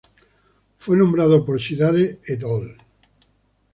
Fue nombrado por Cidade "et al.